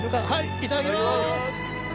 いただきます！